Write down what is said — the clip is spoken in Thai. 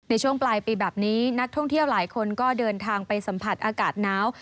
ในช่วงปลายปีแบบนี้นักท่องเที่ยวหลายคนก็เดินทางไปสัมผัสอากาศหนาว